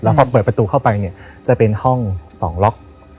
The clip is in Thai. พอเปิดประตูเข้าไปเนี่ยจะเป็นห้อง๒ล็อก